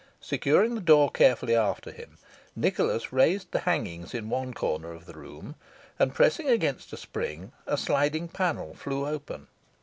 Securing the door carefully after him, Nicholas raised the hangings in one corner of the room, and pressing against a spring, a sliding panel flew open.